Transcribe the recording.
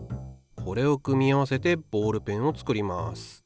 これを組み合わせてボールペンを作ります。